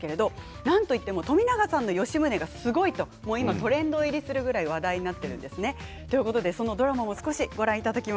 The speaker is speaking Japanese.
なんといっても冨永さんの吉宗がすごいと今トレンド入りするぐらい話題になっているんです。